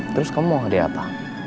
terus kamu mau hadiah apa